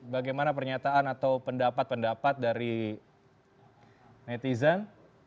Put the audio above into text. bagaimana pernyataan atau pendapat pendapat dari netizen